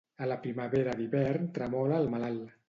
A la primavera d'hivern tremola el malalt.